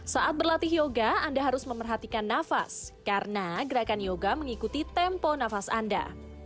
saat berlatih yoga anda harus memerhatikan nafas karena gerakan yoga mengikuti tempo nafas anda